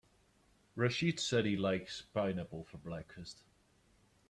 Rachid said he likes pineapple for breakfast.